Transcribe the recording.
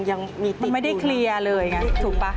มันไม่ได้เคลียร์เลยอย่างนั้นถูกปะ